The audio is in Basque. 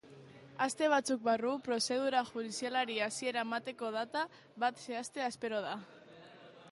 Aste batzuk barru prozedura judizialari hasiera emateko data bat zehaztea espero da.